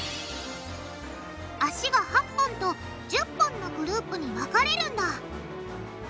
脚が８本と１０本のグループに分かれるんだ